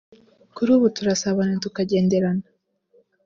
kuri ubu turasabana tukagenderana